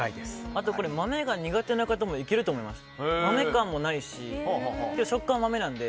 あと、豆が苦手な方もいけると思います。